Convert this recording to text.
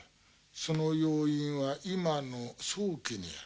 その要因は今の宗家にある。